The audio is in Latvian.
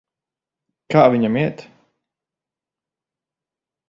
Kā viņam iet?